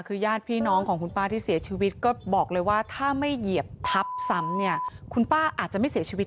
คือญาติพี่น้องของคุณป้าที่เสียชีวิตก็บอกเลยว่าถ้าไม่เหยียบทัพสำเนี่ย